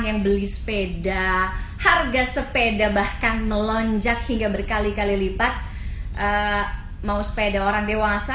yang beli sepeda harga sepeda bahkan melonjak hingga berkali kali lipat mau sepeda orang dewasa